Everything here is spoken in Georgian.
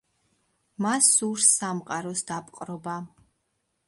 მას სურს სამყაროს დაპყრობა.